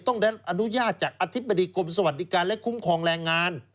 ต้องได้อนุญาตจากอธิบดีกรมสวัสดิการและคุ้มครองแรงงาน